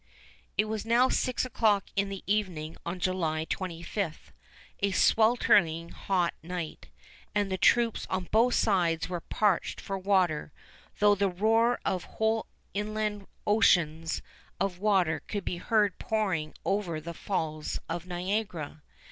It was now six o'clock in the evening of July 25, a sweltering hot night, and the troops on both sides were parched for water, though the roar of whole inland oceans of water could be heard pouring over the Falls of Niagara.